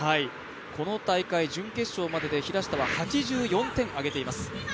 この大会、準決勝までで平下は８４点挙げています。